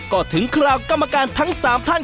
ก็ถึงคราวกรรมการทั้ง๓ท่าน